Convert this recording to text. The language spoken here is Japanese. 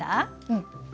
うん。